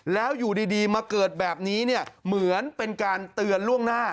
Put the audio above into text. แล้วอยู่ดีมาเกิดแบบนี้เนี่ยเหมือนเป็นการเตือนล่วงหน้า